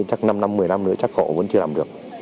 chắc năm năm một mươi năm nữa chắc họ vẫn chưa làm được